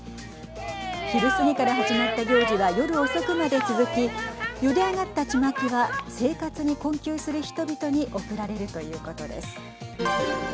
昼過ぎから始まった行事は夜遅くまで続きゆで上がったちまきは生活に困窮する人々に送られるということです。